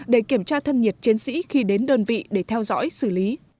để kiểm tra thân nhiệt chiến sĩ khi đến đơn vị để theo dõi xử lý